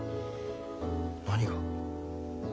何が？